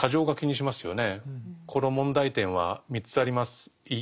この問題点は３つあります。